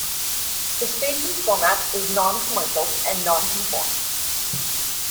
The station's format is noncommercial and nonconforming.